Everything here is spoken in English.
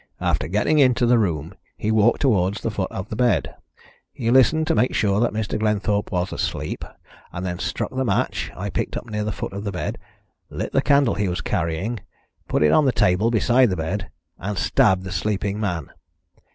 After getting into the room he walked towards the foot of the bed. He listened to make sure that Mr. Glenthorpe was asleep, and then struck the match I picked up near the foot of the bed, lit the candle he was carrying, put it on the table beside the bed, and stabbed the sleeping man.